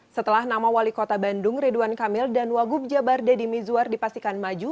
setelah nama wali kota bandung ridwan kamil dan wagub jabar deddy mizwar dipastikan maju